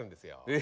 え！